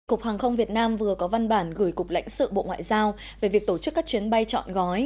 cục hàng không việt nam vừa có văn bản gửi cục lãnh sự bộ ngoại giao về việc tổ chức các chuyến bay chọn gói